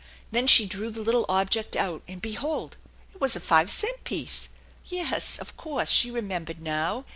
Then she drew the little object out, and behold it was a five cent piece ! Yes, of course, she remembered now.